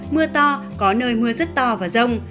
mưa to có nơi mưa rất to và rông